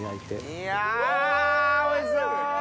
いやおいしそう！